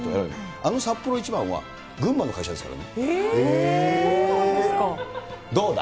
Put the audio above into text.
あのサッポロ一番は群馬の会社ですからね。